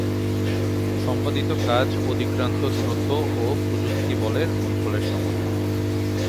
সম্পাদিত কাজ অতিক্রান্ত দূরত্ব ও প্রযুক্ত বলের গুণফলের সমান।